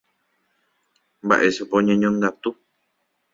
Mba'éichapa oñeñongatu.